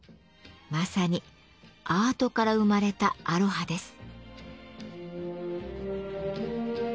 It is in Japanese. まさにアートから生まれたアロハです。